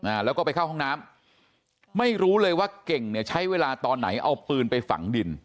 อ่าแล้วก็ไปเข้าห้องน้ำไม่รู้เลยว่าเก่งเนี่ยใช้เวลาตอนไหนเอาปืนไปฝังดิน